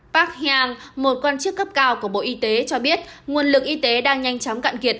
park hang một quan chức cấp cao của bộ y tế cho biết nguồn lực y tế đang nhanh chóng cạn kiệt